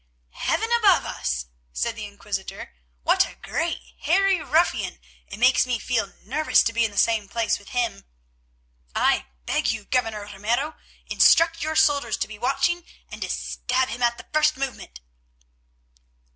"Heaven above us!" said the Inquisitor, "what a great hairy ruffian; it makes me feel nervous to be in the same place with him. I beg you, Governor Ramiro, instruct your soldiers to be watching and to stab him at the first movement."